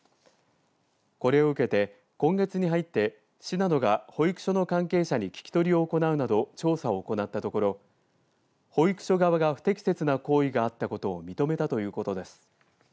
これを受けて、今月に入って市などが保育所の関係者に聞き取りを行うなど調査を行ったところ保育所側が不適切な行為があったことを認めたということです。